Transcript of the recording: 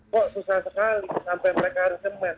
kok susah sekali sampai mereka harus semen